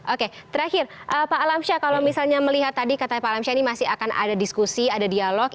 oke terakhir pak alamsyah kalau misalnya melihat tadi katanya pak alamsyah ini masih akan ada diskusi ada dialog